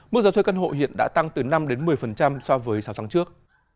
mức giá thuê căn hộ hiện đã tăng từ năm một mươi so với sáu tháng trước